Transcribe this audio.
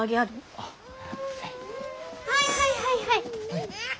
はいはいはいはい。